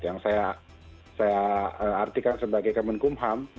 yang saya artikan sebagai kemenkum ham